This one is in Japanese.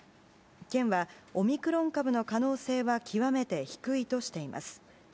県は、オミクロン株の可能性は極めて低いとしています。